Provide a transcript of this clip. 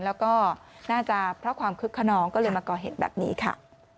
แล้วก็น่าจะเพราะความคึกขนองก็เลยมาก่อเหตุแบบนี้ค่ะ